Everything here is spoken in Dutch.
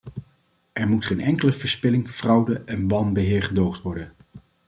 Er moet geen enkele verspilling, fraude en wanbeheer gedoogd worden.